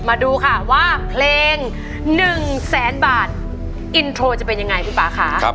มาดูค่ะว่าเพลง๑แสนบาทอินโทรจะเป็นยังไงคุณป่าค่ะ